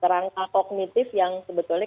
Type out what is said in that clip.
rangka kognitif yang sebetulnya